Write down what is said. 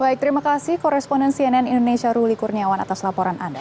baik terima kasih koresponden cnn indonesia ruli kurniawan atas laporan anda